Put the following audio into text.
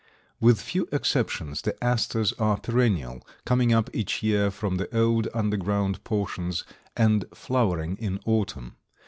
With few exceptions, the Asters are perennial, coming up each year from the old underground portions and flowering in autumn.